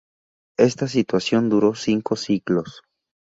Esta situación duró cinco siglos.